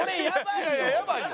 いやいややばいよ。